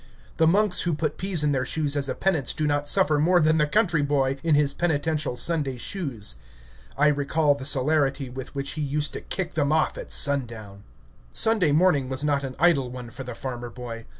The monks who put peas in their shoes as a penance do not suffer more than the country boy in his penitential Sunday shoes. I recall the celerity with which he used to kick them off at sundown. Sunday morning was not an idle one for the farmer boy.